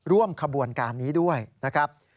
ร่วมขบวนการนี้ด้วยนะครับ